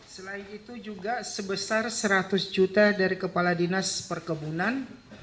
selain itu juga sebesar seratus juta dari kepala dinas perkebunan